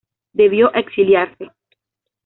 Debió exiliarse.